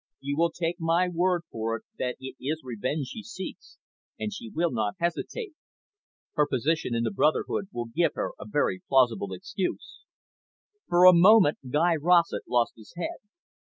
"You will take my word for it that it is revenge she seeks, and she will not hesitate. Her position in the brotherhood will give her a very plausible excuse." For a moment, Guy Rossett lost his head.